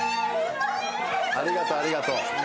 ありがとうありがとう。